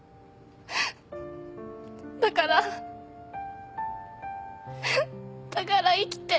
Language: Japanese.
だからだから生きて。